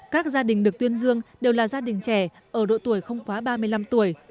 các gia đình được tuyên dương đều là gia đình trẻ ở độ tuổi không quá ba mươi năm tuổi